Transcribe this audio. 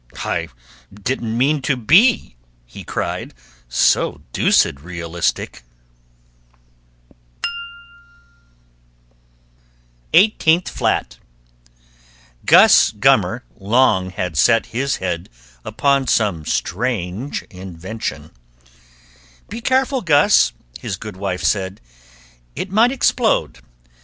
"I didn't mean to be," he cried, "So deuced realistic!" [Illustration: SEVENTEENTH FLAT] EIGHTEENTH FLAT Gus Gummer long had set his head Upon some strange invention. "Be careful, Gus," his good wife said; "It might explode.